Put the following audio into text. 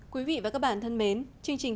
trong những trong những mạng bình thường